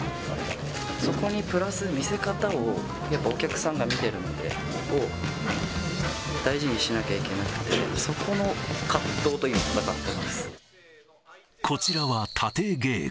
そこにプラス見せ方を、やっぱりお客さんが見てるので、大事にしなきゃいけなくて、そこの葛藤と今、こちらはタテ稽古。